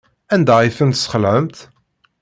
Anda ay ten-tesxelɛemt?